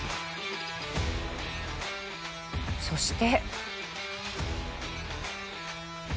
そして。